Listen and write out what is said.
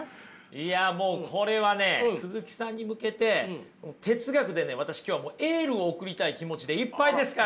いやもうこれはね鈴木さんに向けて哲学でね私今日はエールを送りたい気持ちでいっぱいですから。